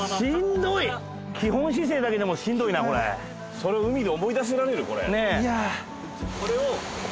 基本姿勢だけでもしんどいなこれそれ海で思い出せられる？